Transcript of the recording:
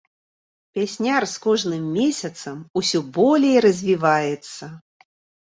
Пясняр з кожным месяцам усё болей развіваецца.